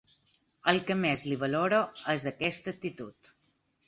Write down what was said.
El que més li valoro és aquesta actitud.